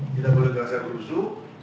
tidak boleh terasa berusuh